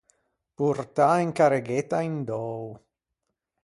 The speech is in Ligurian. Portâ in carreghetta in d’öo.